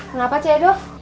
kenapa cik edo